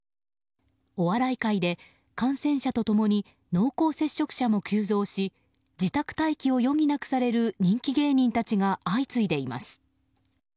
お笑い界で感染者と共に濃厚接触者も急増し自宅待機を余儀なくされる人気芸人たちが相次いでいます。